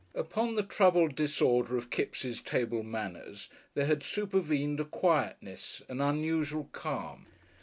Upon the troubled disorder of Kipps' table manners there had supervented a quietness, an unusual calm.